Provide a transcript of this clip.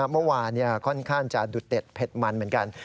เมื่อวานค่อนข้างจะดุดเด็ดเผ็ดมันเหมือนกัน